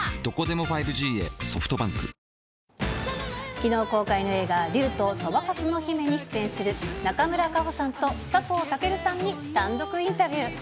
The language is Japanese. きのう公開の映画、竜とそばかすの姫に出演する中村佳穂さんと佐藤健さんに単独インタビュー。